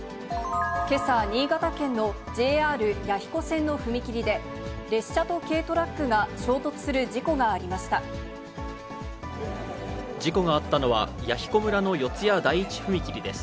けさ、新潟県のＪＲ弥彦線の踏切で、列車と軽トラックが衝突する事故事故があったのは、弥彦村の四ツ谷第一踏切です。